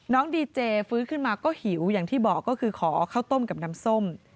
ดีเจฟื้นขึ้นมาก็หิวอย่างที่บอกก็คือขอข้าวต้มกับน้ำส้ม